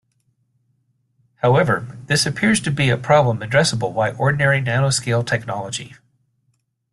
However, this appears to be a problem addressable by ordinary nanoscale technology.